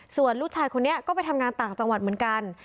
ส่วนลูกชายคนนี้ก็ไปทำงานต่างจังหวัดเหมือนกัน